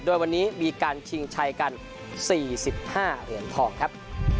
ด้วยวันนี้มีการชิงชัยกันสี่สิบห้าเหรียญทองครับ